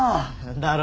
だろ？